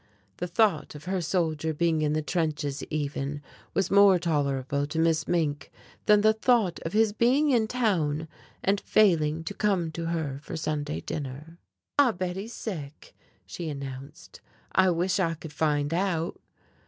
The thought of her soldier being in the trenches even, was more tolerable to Miss Mink than the thought of his being in town and failing to come to her for Sunday dinner. "I bet he's sick," she announced. "I wish I could find out."